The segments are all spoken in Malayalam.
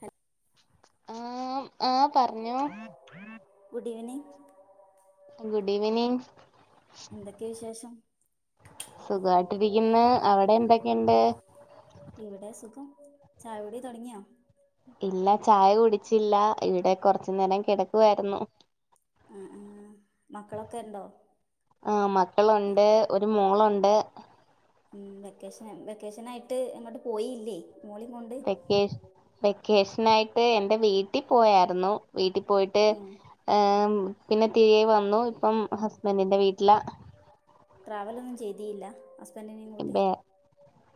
ഹ ആം ആപറ്ഞ്ഞോ ഡീവനിംങ്ങ് ഗുഡീവനിംങ്ങ് എന്തൊക്കെ വിശേഷം [unintelligible] അവിടെ എന്തൊക്കെയുണ്ട് ഇവിടെ സുഖം ചായൊടിതൊട്‌ങ്ങ്യോ ഇല്ല ചായ കുടി ച്ചില്ല ഇവിടെ കൊറച്ചു നേരം കെടക്കേരുന്നു ആ ആ മക്കളൊക്കെ ഉണ്ടോ ആ വെ- മക്കളുണ്ട് ഒരു മോളു [unintelligible] ഉം വെക്കേഷൻ വെക്കേഷനായിട്ട് എങ്ങോട്ടുപോയീല്ലേ മോളിംകൊണ്ട് ക്കേഷനായിട്ട് എൻന്റെ വീട്ടി പോയാരുന്നു വീട്ടിൽ പോയിട്ട് ഉം പോയിട്ട് [unintelligible] പിന്നെ തിരികെ വന്നു ഇപ്പം ഹസ്ബൻറിിന്റെ വീട്ടില ട്രാവലോന്നും ചെയ്തീല [unintelligible] ഇബെ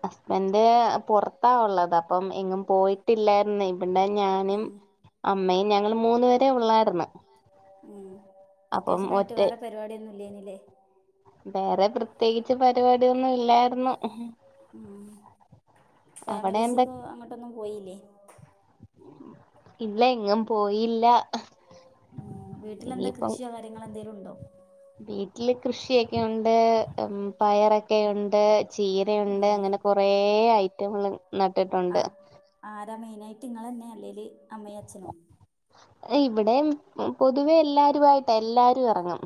ഹസ്ബൻഡ് പുറത്താവുള്ളത് അപ്പം എങ്ങും പോയിട്ടില്ലായിരുന്നേ പിന്നെ ഞാനും അമ്മയും ഞങ്ങള് മൂന്ന പേരെ ഉള്ളായിന്ന് വെക്കേഷന ആയിട്ട് വേറെ പരിപാടിയൊന്നുംല്ലേനില്ലേ പ്രതേകിച്ച്പരിപാടിയൊന്നും ഇല്ലായിരുന്നു ആ അവിടെ ഫാമിലീസ് എന്താ ഇപ്പോ അങ്ങോട്ടൊന്നും പോയില്ലേ ഇല്ല ഇങ്ങും പോയില്ല ഉ വീട്ടിലെന്താ ഇനിയിപ്പം കൃഷിയോ കാര്യങ്ങളെ ന്തെലും ഉണ്ടോ വീട്ടിൽ കൃഷിയൊക്കെുണ്ട് ഉ പയറൊക്കെയുണ്ട് ചീരയുണ്ട് ആ അങ്ങനെ കൊറേ ഐറ്റങ്ങൾ ആ നട്ടിട്ടുണ്ട് [unintelligible] അല്ലേല് അമ്മയും അച്ഛനും എഇവ്ടേം പൊതുവേ എല്ലാരു ആയിട്ടെല്ലാരു എറങ്ങും.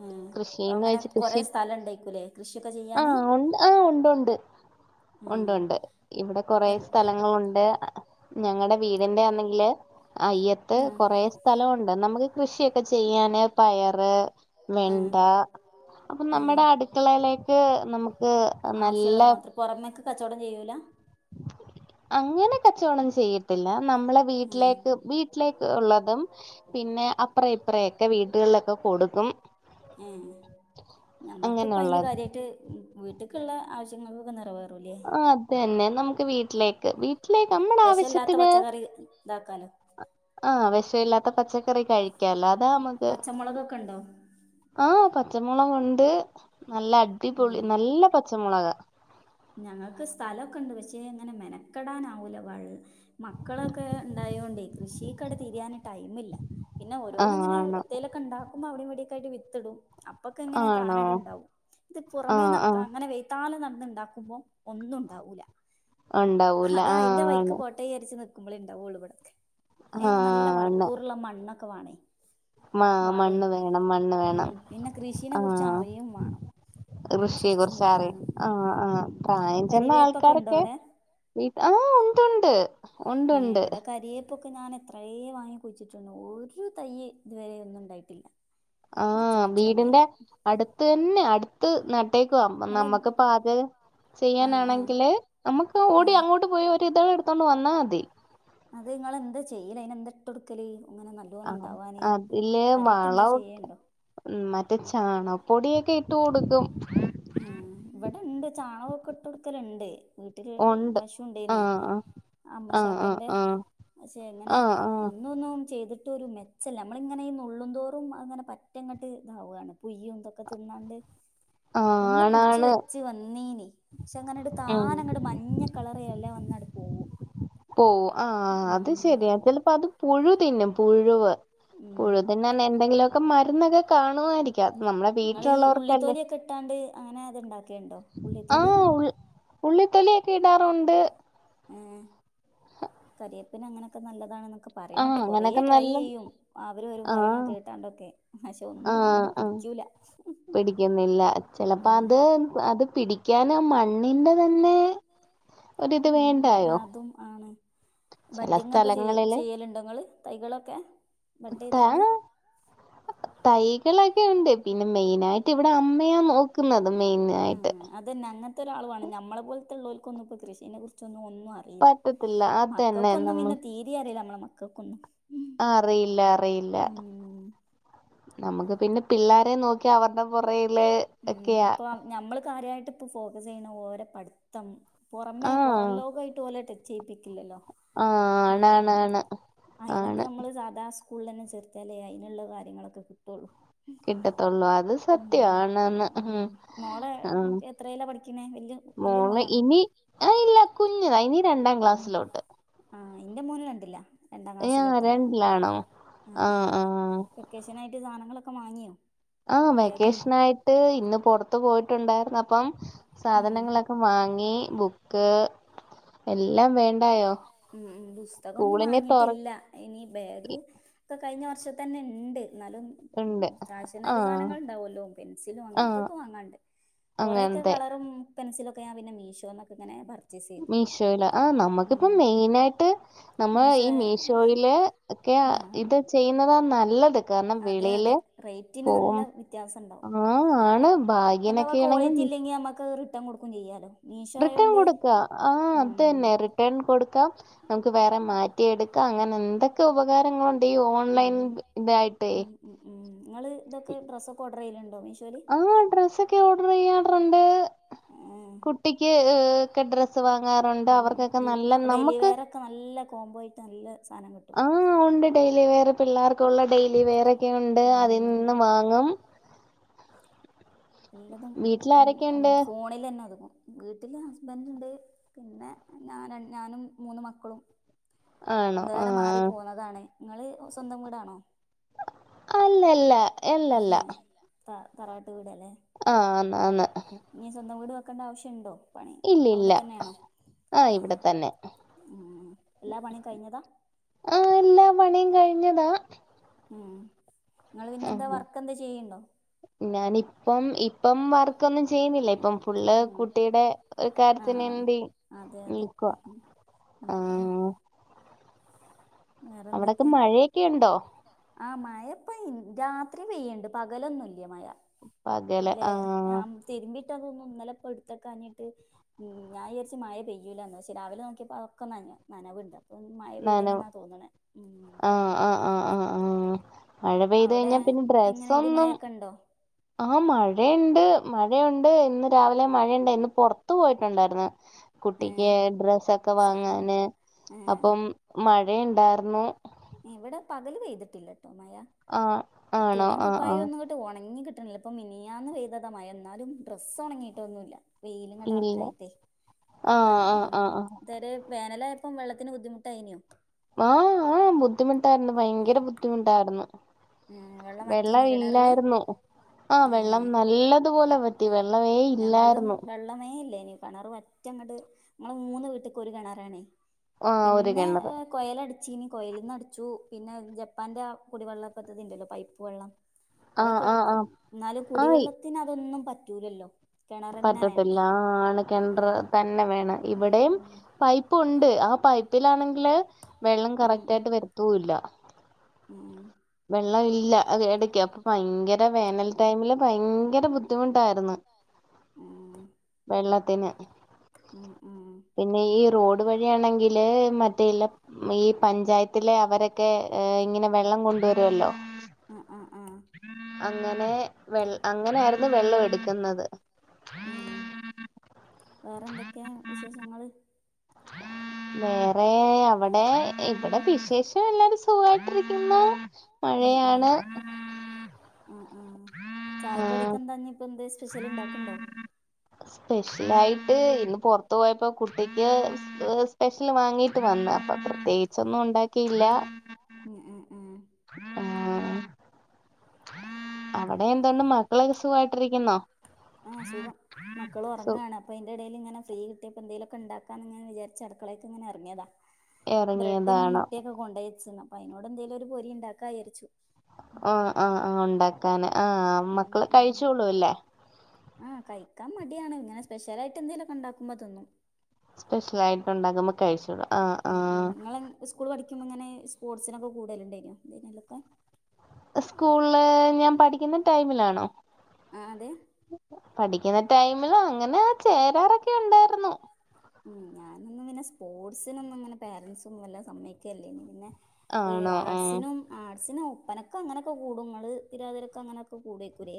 ഉ കൃഷിന്ന് അങ്ങനെ കുറെ സ്ഥല ഉണ്ടായിരിക്കല്ലേ കൃഷി ആഹ ഉ ആഹ് ഉണ്ട് ണ്ട് ഉം ഉണ്ട് ഉണ്ട് ഇവിടെ കുറെ എൻ സ്ഥലങ്ങളുണ്ട് ഞങ്ങളട വീടിന്റെ ആന്നെങ്കില് അയ്യത്ത് ഉം കൊറേ സ്ഥലയുണ്ട് നമുക് കൃഷിയൊക്ക ചെയ്യാനെ പയറ് ഉം വെണ്ട അപ്പൊ നമ്മുടെ അടുക്കളയിലെ [unintelligible] നമു ആവ്ശ്യള്ളത് മാത്ര്. പൊറമേക്ക് കച്ചവടം ചെയ്യൂലെ അങ്ങനെ കച്ചവടം ചെയ്യത്തില്ല നമ്മളെ ഉം വീട്ടിലേക്ക് വീട്ടിലേക്ക് ള്ളതും പിന്നെ അപ്പറെയിപ്പറെയെക്കെ വീട്ടുകള്ലെക്കു ഒടുക്കും ഉം നമുക്ക് ഇപ്പൊഅതിൽ അങ്ങനെയുള്ളത് കാര്യമായിട്ട് വീട്ടിക്കുള്ള ആവശ്യങ്ങൾ എല്ലാം നിറവേറും ആ തെന്നെ നമുക്ക് വീർ വീട്ടിലേക്ക് വീട്ടിലേക്ക് നമ്മുടെ ആവശ്യത്തിന് ഇതാക്കാനും ആഹ് വെശൊയില്ലാത്ത പച്ചക്കറി കഴിക്കാലാ പച്ചമുളകൊക്കെ ഇണ്ടോ [unintelligible] മുള കൊണ്ട് നല്ല അടിപൊളി ഉം നല്ല പച്ചമുളക് ഞങ്ങൾക്ക് സ്ഥലൊക്കെ ഇണ്ട് പക്ഷേ ഇങ്ങനെ മെനക്കെടാ ആവൂല വ മക്കളൊക്കെ ഉണ്ടായോണ്ട് കൃഷിക്ക് തിരിയാൻ ടൈമില്ല പിന്നെ ഓരോന്നും ഇങ്ങനെ ആണ് എന്തെങ്കിലുമൊക്കെ ഉണ്ടാക്കും അ അവിടെ വേടേക്കായിട്ട് വിത്തിടും. അപ്പൊക്ക ഇങ്ങനെ ആണോ താനേ ഉണ്ടാവും ഇത് പുറമേ ആഹ് നടക്കാം ആഹ് അങ്ങനെ വെയത്താലും [unintelligible] നോക്കുമ്പോൾ ഒന്നുണ്ടാവില്ല അ ണ്ടാവൂല ആആണ് നമ്മളെ ഉണ്ടാവുള്ളൂ ഇവിടെ അയ്ന്‌ നല്ല ആണ് വളക്കൂറ്ള്ള മണ്ണ് [unintelligible] മാ മണ്ണ് വേണം മണ്ണ് വേണം ഉം പിന്നെ കൃഷിനെ ആ കുറിച്ച് അറിയും വേണം കൃഷിയെ അതിനനുസരിച്ച് കുറിച്ച് അറിയാം നിക്കാനും ആ ഉം ആപ്രായം ചെന്ന കരിവേപ്പൊക്കെ ഉണ്ടോ ആൾക്കാരൊക്കെ അവിടെ വീട്ട് ആ ഉണ്ട്ണ്ട് ഏ ഇവിടെ കരിയ ഇപ്പൊക്കെ ഞാൻ ഇത്രെയേ വാങ്ങി കുഴിച്ചിട്ടുണ്ട് ഒരു തയ്യെ ഇതുവരെെയ ഒന്നും ഉണ്ടായിട്ടില്ല ആ നച്ച നച്ച് വീടിന്റെ വന്നില്ല അടുത്ത് തന്നെ അടുത്ത് നട്ടേക്കുവാ നിങ്ങള് നമ്മുക്ക് പാചക ആ ആ ചെയ്യാനാണെങ്കില് നമുക്ക് ആ ഓടി അങ്ങോട്ട് പോയി ഒരു ഇതൾ എടുത്തോണ്ട് വ ന്ന തി അത് നിങ്ങെന്താ ചെയ്യൽ അതിനന് എന്താ ഇട്ടോട്ക്കൽ ആ അതില് കാര്യായിട്ട് എന്താ വളമൊക്കെ ചെയ്യണ്ടോ മറ്റേ ചാണകം പൊടിയൊക്കെ ഇട്ട് കൊടുക്കും കൊട്ട് കൊടുക്കലുണ്ട് വീട്ടില് ഒണ്ട് പശുണ്ടേൻ ആഹ് ആഹ് ആഹ് അമ്മൂശാക്കന്റെ ആഹ് പക്ഷെ എങ്ങനെ ആഹ് ആഹ് ആഹ് ഒന്നൊന്നും ചെയ്തിട്ട് മ ഒരു മെച്ചല്ല നമ്മള ഇങ്ങനെ നുള്ളുംന്തോറും അങ്ങനെ പറ്റങ്ങട്ട് ഇതാവാണ് പുയ്യും ഇതൊക്കെ തിന്നാണ്ട് ആഹ് ഒന്ന് പുടിച്ച് ആണാണ് വെച് വന്നീനി പക്ഷെ അങ്ങനെ ഒരു ഉം താാന ങ്ങനെ മഞ്ഞ കളർ എല വന്നട് പോവും പോ ആ അത് ഉം ശരിയാ ചിലപ്പോ അത് പുഴു പിന്നെ പുഴുവ് ഉം പുഴുതന്നെന്നെ എന്തെങ്കിലുമൊക്കെ മരുന്നൊക്കെ കാണുമായിരി ങ്ങൾഈ ഉള്ളിത്തോലി ഒക്കെ ഇട്ടാണ്ട് അങ്ങനെ അത് ഇണ്ടാക്കിയണ്ടോ ഉള്ളിത്തോലി ഉള്ളിത്തൊളിയൊക്കെ ഇടാറുണ്ട് ഏ കരിയേപ്പിന അങ്ങനെയൊക്കെ നല്ലതാണ ഒക്കെ ആഹ് പറയിട്ട് കൊറേ അങ്ങനൊക്കെ ട്രൈ നല്ല ചെയ്യും അവരും അവ പറയണ ആഹ് കേട്ടാണ്ടൊക്കെ പക്ഷെ ഒന്നും ആഹ് അങ്ങോട്ട് ആഹ് പിടിക്കൂല പിടിക്കുന്നില്ല ഉ ക്യാന മണ്ണിന്റെ തന്നെ ഒരിത് ഉം വേണ്ടായോ അതും ആണ് ചെല ബഡ്ഡിങ് ഒക്കെ ചെയ സ്ഥലങ്ങളില് ചെയ്യലുണ്ടോ ഇങ്ങള് തൈകളൊക്കെ ത ബഡ് ചെയ്താണ്ട് തായി ഒക്കെ ഉണ്ട് പിന്നെ മെയിന ആയിട്ട് ഇവിടെ അമ്മയാ നോക്കുന്നത് ആ മെയിനായിട്ട് അതന്നെ അങ്ങനത്തെ ഒരാൾവാണം ഞമ്മളെ പോലത്തുളോൽ ക്കൊന്നും പൊ കൃഷിനെ കുറിച്ചൊന്ന് ഒന്ന് നും അറീല പറ്റത്തില്ല അതന്നെ മക്കൾക്കൊന്നും പിന്നെ തീരീ അറില്ല നമ്മളെ മക്കൾക്കൊന്ന് ആ അറിയില്ല അറിയില്ല നമുക്ക് പിന്നെ പിള്ളാരെ നോക്കി അവരുടെ പുറകെ ൽ ഒക്കെയാ ഞമ്മള് കാര്യയിട്ട് ഇപ്പൊ ഫോക്കസ് ചെയ്യണ ഓരോ പഠിത്തം പുറമെ പുറം ലോകയിട്ട് ഓലഡ് ചെയ്യിപ്പിക്കില്ലല്ലോ ആഹ ഉം ഉം ആണണണ് ആണ് സ്കൂള തന്നെ ചെറുത്താലേ അതിനുള്ള കാര്യങ്ങളൊക്കെ കിട്ടയള്ളൂ കിട്ടത്തൊള്ളവാത് സത്യാണ് ആന്ന് ഉം മോള് ആ എത്രയിലാ പഠിക്കണേ വല്യ വല്യ മോള് മോളാണോ ഇനി ആ ഇല്ല കുഞ്ഞതാ ഇനി രണ്ടാം ഉം ക്ലാസ്സിലോട്ട് ആഹ് എന്റെ മോന് രണ്ടിലാ രണ്ടാം ക്ലാസ്സില് ആ തൊട്ടാന് രണ്ടിലാണോ ആഹ് ആ ആഹ് ആ വെക്കേഷനായിട്ട് സാധനങ്ങളൊക്കെ വാങ്ങിയോ ആ ബാഗും വെക്കേഷൻ ആയിട്ട് ഇന്ന് പുറത്തു പോയിട്ടുണ്ടായിരുന്നു അപ്പം ഉം സാധനങ്ങളൊക്കെ വാങ്ങി ബുക്ക് എല്ലാം വേണ്ടായോ ഉം പുസ്തകംന്നും സ്കൂളിനെ വാങ്ങിയിട്ടില്ല തുറക്കി ഇനി ബാഗ് കഴിഞ്ഞ വർഷത്തെതന്നെ ഇ ണ്ട് എന്നാലും ഉണ്ട് സ്റ്റാഷനറി ആഹ് സാധനങ്ങൾ ഉണ്ടാവുല്ലോ പെൻസിലും ആഹ് അങ്ങനത്തൊക്കെ വാങ്ങാണ്ട് കൊറെക്കെ അങ്ങനത്തെ കളറും പെൻസിലും അതെക്ക പിന്നെ മീഷോന്നക്കെങ്ങെ പ മീഷോയില ആ നമ്മുക്കിപ്പം മീ മെയിനായിട്ട് നമ്മൾ മീഷോ ഈ മീ ഷോയില് ഒക്കെ ആഹ് ഇത് ചെയ്യുന്നത നല്ല ഇള്ളത് അതെ അതെ റേറ്റിന് നല്ല വിത്യാസം ഇണ്ടാവും ആ ആണ് എന്തവാ ഭാഗ്യനൊക്കെ ആണെങ്കിൽ കോളിറ്റി ഇല്ലെങ്കി നമ്മക്ക് റ് മൊത്തം കൊടുക്കും ചെയ്യാലോ മീഷോ റിട്ടേൺ ആയോണ്ട് കൊടുക്ക, ആ അത് തന്നെ ഉം റിട്ടേൺ കൊടുക്കാം, നമുക്ക് വേറെ മാറ്റിയെടുക്കാം, അങ്ങനെ ന്ന് എന്തൊക്കെ ഉപകാരങ്ങളു മ് മ് മ് മ് നിങ്ങള് ഇതൊക്കെ ഡ്രസ്സൊക്കെ ഓട് റെയിൽ ഇണ്ടോ [unintelligible] ആ ഡ്രസ്സൊക്കെ ഓർഡർ ചെയ്യാറു ണ്ട് കുട്ടിക്ക് [unintelligible] ഡ്രസ് മ് ഡെയിലി വെയറൊക്കെ നല്ല കോംബോ ആട്ട് നല്ല സാനം കിട് ആ ഉണ്ട് ഡൈയിലി വെയർ പിള്ളേർ ക്ക് ഒള്ള ഡെയിലി വെയർ ഒക്കെ ഉണ്ട്, അതിൽ ഉം നിന്ന് വാങ്ങും. എല്ലതും വീട്ടിൽ പ്പം ആരൊക്കെയുണ്ട് ഫോണിൽ തന്നെ ഒതുങ്ങും. വീട്ടില് ഹസ്ബൻ്റ് ണ്ട് പിന്നെ ഞന് ഇട് ഞാനും മൂന്ന് മക്കളും ആണോ ആ വേറെ മാറി പോവുന്നതാണ്. നിങ്ങള് സ്വന്തം വീടാണോ? അല്ലല്ല എല്ലല്ല ഉം ത തറടവാട് ആ ആന്ന ആന്ന ക്കണ്ട ആവിശ്യണ്ടോ? ഇല്ലല്ല ആഹ് ഉം ഇവിടെ തന്നെ ഉം എല്ലാ പണിയും കഴിഞ്ഞതാ ആ എല്ലാ പണിയും കഴി ഞ്ഞതാ ആ നിങ്ങൾ പിന്നെന്താ വർക്ക് എന്തേ ചെയ്യ്ണ്ടോ? ഞാനിപ്പം ഇപ്പം വർക്കൊന്നും ചെയ്യുന്നില്ല, ഇപ്പം ഫുള്ള് ഉം കുട്ടിയുടെ ഒരു കാര്യത്തിന് ആഹ് വേണ്ടി അതെ അതെ നിൽക്കവാ, ആ ഉം അവിടൊക്കെ വേറെന്തൊക്കെയാ മഴെക്കെ ഉണ്ടോ? [unintelligible] രാത്രി പെയ്യണ്ട്, പകലൊന്നുല്ല. [unintelligible] മഴ അല്ലെ ആ തിരുമ്പിട്ടതൊന്നും ഇന്നലെ അപ്പൊ എടുത്തൊക്കാഞ്ഞിട്ട് ഞാവിജാരിച്ച് മഴ പെയ്യൂലാന്ന്, പക്ഷേ രാവിലെ നോക്കിയപ്പോ അതൊക്കെ നനഞ്ഞു നനവ്ണ്ട്. പ്പം മഴ പെയ്തിന് നനവ് ന ആ ആ ആഹ് ആ ആഹ് മഴ പെയ്ത് അവിടെ കഴിഞ്ഞാൽ പിന്നെ എങ്ങനെ ഇടി ഡ്രസ്സൊന്നു മഴൊക്കെ ഉണ്ടോ ആഹ് മഴയെണ്ട് മഴയുണ്ട് ഇന്ന് രാവിലെ മഴയുണ്ട് ഇന്ന് പൊറത്തു പോയിട്ടുണ്ടായിരുന്ന്. ഏ കുട്ടിക്ക് ഡ്രസ്സൊക്കെ സാനം വാങ്ങാന് ഏ അപ്പം മഴയുണ്ടാർ ന്ന് ഇവിടെ പകല് പെയ്തിട്ടില്ല ട്ടൊ മഴ ആ ഇ ആണോ തുണിം ആ കുപ്പായോം ആ ഒന്നങ്ങട്ട് ഒണങ്ങി കി ട്ടിണില്ല ഇതിപ്പ മിനിഞ്ഞാന്ന് പെയ്തതാ മഴ എന്നാലും ഡ്രസ്സ് ഒണങ്ങിയിട്ടൊന്നു ഇല്ല. ഇല്ല വെയിലിങ്ങട്ടർക്കായിട്ടേ ആഹ് വൾ ആഹ് ഇം ആഹ് ഇത് വരെ വേനലായപ്പം വെള്ളത്തിന് ബുദ്ധിമുട്ടായിനു. ആഹ് ആഹ് ബുദ്ധിമുട്ടായിരുന്നു. ഭയങ്കര ബുദ്ധിമുട്ടായിരുന്നു. ഉം വറ്റീനു വെള്ളം കിണറില് ഇല്ലായിരുന്നു ആഹ് ഉം വെള്ളം നല്ലതുപോലെ വറ്റി വെള്ളമേ ഇല്ലായിരുന്നു. കിണർ വറ്റങ്ങട് ഞങ്ങള് മൂന്ന് വീട്ടിക്ക് ഒരു കിണറാണേ. ആഹ് ഒരു പിന്നാ കിണറ് കൊയലടിച്ചീനി. കൊയലീന്നടിച്ചു. പിന്നെ ജപ്പാന്റെ കുടിവെള്ള പദ്ധതി ഇണ്ടല്ലൊ പൈപ്പ് വെള്ളം. ആഹ് അതൊക്കെ ആഹ് ട്ക്കും ആഹ് ന്നാലും കുടിവെള്ളത്തിനതൊന്നും പ റ്റൂലല്ലോ പറ്റത്തില്ലാ ആണ് കെണർ ഉം തന്നെ വേണം ഇവ്ടെയും പൈപ്പുണ്ട് ആ പൈപ്പിലാണെ ല് വെള്ളം ഉം ഉം കറക്റ്റായ്ട്ട് വരത്തൂല്ല ഉം വെള്ളം ഇല്ല അത് എടക്ക് അപ്പ ഭയങ്കര വേനൽ ടൈമ് ല് ഭയങ്കര ബുദ്ധിമുട്ടായ്ര്ന്ന് ഉം ഉം ള്ളത്തിന് ഉം ഉം ഡ് വഴിയാണെങ്കില് മറ്റേ ഇല്ലെ ഈ പഞ്ചായത്തിലെ അവര് ക്കെ ഇങ്ങനെ വെള്ളം കൊണ്ട് ആഹ് ആഹ് ആഹ് അങ്ങനേ വെൾ അങ്ങനായ്ര്ന്നു വെള്ളം എട്ക്ക്ന്നത് ഉം ഉം വേറെന്തെക്കേ വിശേഷങ്ങള് വേറേ അവടെ ഇവിടെ വിശേഷം എല്ലാരും സുഖായ്ട്ടിരിക്കുന്നു ഉം ഉം മഴയാണ് ആഹ് ചായക്കടിക്കെന്താ ഞ്ഞ് പ്പെന്ത് സ്പെഷ്യലായിട്ട് ഇന്ന് പുറത്ത് പോയപ്പോ കുട്ടിക്ക്- സ്പെഷ്യല് വാങ്ങിട്ട് വന്ന് അപ്പൊ പ്രത്യേകിച്ചൊന്നും ഉണ്ടാക്കിയില്ല ഉം ഉം ഉം ആ അവിടെ എന്തണ്ട് മക്കളൊക്കെ സുഖമായിട്ടിരിക്കുന്നോ ആ സുഖം മക്കള ഉറങ്ങാണ് അപ്പൊ അതിന്റെ ഇടൽ ഇങ്ങനെ ഫീ കിട്ടിയപ്പോ എന്തലുമൊക്കെ ഉണ്ടാക്കാന്ന്ങ്ങനെ വിചാരിച്ച അടുളൊക്ക ഇങ്ങെ ഇറങ്ങതാ ബ്രെഡും ഇറങ്ങിയതാണോ മുട്ടയൊക്കെ കൊണ്ടയിവെച്ചിന് ആയിനോട് എന്തേലും ഒരു പൊരി ഉണ്ടാകാചിരിച്ചു ആ ആ ആ ഉണ്ടാക്കാന ആ മക്കള് കഴിച്ചോള്ളൂല്ലേ ആ കഴിക്കാ മടിയാണ് ഇങ്ങനെ സ്പെഷ്യലായിട്ട് എന്തെലൊക്കെ ഉണ്ടാക്കുമ്പോ തിന്നും സ്പെഷ്യൽ ആയിട്ട്ണ്ടാക്കുമ്പോ കഴിച്ചുടാം ഉം നിങ്ങള് സ്കൂൾ പഠിക്കുമ്പോ ഇങ്ങനെ സ്പോർട്സിനൊക്കെ കുടലെണ്ടായിന്നോ എന്തിനാല്ലെയൊക്കെ സ്കൂളില് ഞാൻ പഠിക്കുന്ന ടൈമിലാണോ ആ അതെ പഠിക്കുന്ന ടൈമിൽ അങ്ങനെ ആ ചേരാറൊക്കെ ഉണ്ടായിരുന്നു ഉ ഞാനൊന്നും പിന്നെ സ്പോർട്സിനൊന്നും ഇങ്ങനെ പേരൻറ്സൊന്നും വല്ലാം സമ്മയ്ക്കല്ലേ ഇനി പിന്നെ ആണോ ആഹ് ആർട്സിനും ആർട്സിനും പപ്പനൊക്കെ അങ്ങനൊക്കെ കൂടങ്ങള് തിരാതിരൊക്കെ അങ്ങനൊക്കെ കൂടക്കൂരേ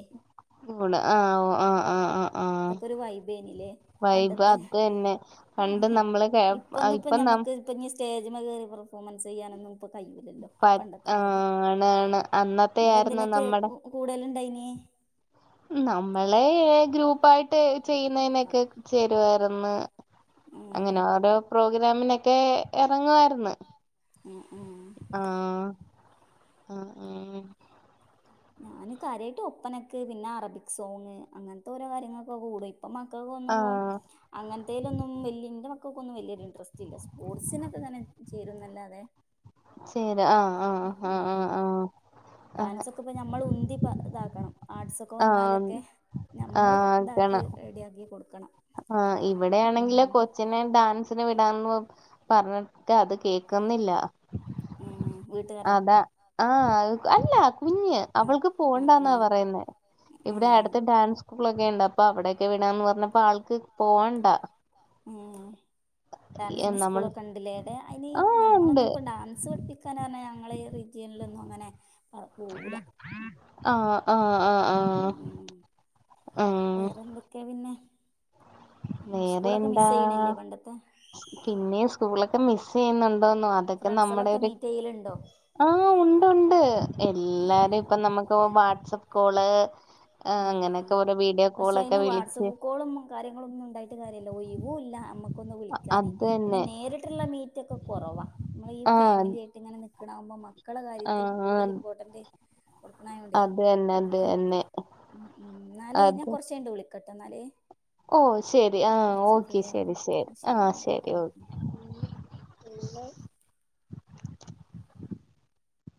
[unintelligible] ആ ആ ആ ആ ആ ഇതൊക്കെ ഒരു വൈബേനില്ലേ വൈബ് പണ്ടത്തെ അത് തന്നെ പണ്ട് നമ്മള് കേ ഇപ്പ ന സ്റ്റേജ് കറി പെഫോമൻസ് ചെയ്യാനെന്നും കയുല്ലല്ലോ പ പണ്ടത്തെമാരി ആണ് ആണ് അന്നത്തെ ആയിരുന്നു നിങ്ങെന്തിനൊക്കെ നമ്മടെ കുടളേണ്ടായിന്നെ ഏ നമ്മളെ ഗ്രൂപ്പായിട്ട് ചെയ്യുന്നതിനൊക്കെ ചേരുവരുന്നു ഉം അങ്ങനെ ഓരോ പ്രോഗ്രാമിന ക്കെ ഇറങ്ങുവായിരുന്നു ഉം ഉം ആ ആ ആ ഞാനൻ കാര്യമായിട്ട് ഒപ്പനക്ക് പിന്നെ അറബിക് സോങ് അങ്ങനത്തെ ഓരോ കാര്യങ്ങൾക്കൊക്ക കൂട ഇപ്പ മക്കൾക്ക് ഒന്നും ആഹ് അങ്ങനത്തേലൊന്നും വല്യ എന്റെ മ ക്ക ഒന്നും വലിയൊരു ഇൻട്രസ്റ്റ് ഇല്ല സ്പോർട്സിനൊക്കെ തന്നെ ചേരുന്നല്ല അതെ ശരി ആഹ് ആഹ് ഉ ആഹ് ആഹ് ആഹ് ആഹ് ഡാൻസൊക്കെ ഇപ്പ ഞമ്മൾ ഉന്തി ഇതാക്കണം ആർട്സ്ക്കെ ആഹ് വന്നാലൊക്കെ ഞമ്മള് ഇതാക്കി റെഡിയ ആക്കി കൊടുക്കണം ആ ഇവിടെയാണെങ്കില് ഉം കൊച്ചിനെ ഡാൻസിന് വി ടാന്ന് പറഞ്ഞിട്ട് അത് കേക്കുന്നില്ല ഉം വീട്ടുകാരോ അതാ ആഹ് ആ അല്ല കുഞ്ഞ് ആ അവൾക്ക് ആ ആ പോകണ്ടാന്നാ പറയുന്നേ ഇവിടെ ഏ അടുത്ത ഡാൻസ് സ്കൂളൊക്കെ ണ്ട് അപ്പൊ അവിടോക്കെ വിടാന്ന് പറഞ്ഞപ്പോ ആൾക്ക് പോവണ്ടാ ഡാൻസിന്റെ നമ്മൾ സ്കൂളൊക്കെ ണ്ട്ലെ ആടെ അയിന് ആഹ് ഉണ്ട് ഞമ്മളൊന്നും ഇപ്പോ ഡാൻസ് പഠിപ്പിക്കാ പറഞ്ഞാ ഞങ്ങള റിജിയനിലൊന്നും ങ്ങനെ ആഹ ഉ ഉ ഉ ഉം വേറെന്തൊക്കെയാ പിന്നെ വേറെ സ്കൂളൊക്കെ എന്താ മിസ് ചെയ്യണില്ലേ പണ്ടത്തെ പിന്നെ സ്കൂളൊക്ക് ക്കെ മിസ്സ് ചെയ്യുന്നുണ്ട് [unintelligible] അതൊക്കെ നമ്മടെ ഫ്രണ്ട്സുകളൊക്കെ ഒരു മീറ്റ് ചെയ്യലുണ്ടോ ആ ഒണ്ട് ഒണ്ട് ആഹ് എല്ലാരും ഇപ്പ നമ്മക്ക് ഇപ്പ വാട്സാപ്പ് കോള് ആ അങ്ങനൊക്കെ വ പസെ അയിന് വാട്സപ്പ് കോളും കാര്യങ്ങളൊന്നും ഉണ്ടായി കാര്യല്ല ഒയിവൂല്ല അമ്മക്ക് [unintelligible] വിളിക്കാനേ അത് പിന്നെ തന്നെ നേരിട്ടുള്ള മീറ്റ് ഒക്കെ കൊറവാ നമ്മളീ ആഹ് ഫാമിലിയായിട്ട് ഇങ്ങനെ നിക്ക് [unintelligible] മക്കളെ കാര്യത്തിൽ ആഹ് കൂടുതൽ ഇമ്പോർട്ടൻ്റ് അത് തന്നെ അത് [unintelligible] അത് ട്ട് വിളിക്കട്ടാ ന്നാല് ഓ ശരി ആ ഓക്കെ ആവുമ്പോ ശരി ശരി ആ എന്നാല് ശരി ഉം ഓക്ക് ഉം